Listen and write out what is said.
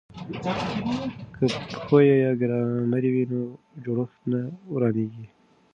که پښویه یا ګرامر وي نو جوړښت نه ورانیږي.